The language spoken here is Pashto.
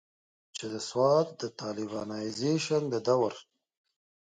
چې د سوات د طالبانائزيشن د دور